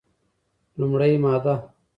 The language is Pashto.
لومړې ماده: